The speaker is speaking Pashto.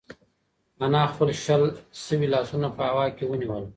انا خپل شل شوي لاسونه په هوا کې ونیول.